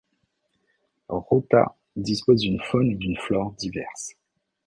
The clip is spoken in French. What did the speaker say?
Rota dispose d'une faune et d'une flore diverses.